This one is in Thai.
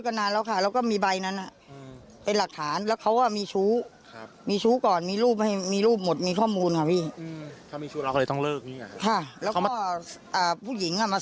ค่ะเขาก็มาอันตภัณฑ์ตลอดเราก็ไม่รู้จะทำยังไง